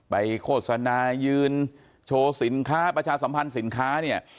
โฆษณายืนโชว์สินค้าประชาสัมพันธ์สินค้าเนี่ย